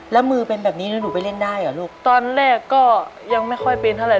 แล้วมือเป็นแบบนี้แล้วหนูไปเล่นได้เหรอลูกตอนแรกก็ยังไม่ค่อยเป็นเท่าไห